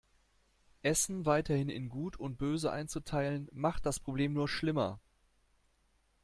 Essen weiterhin in gut und böse einzuteilen, macht das Problem nur schlimmer.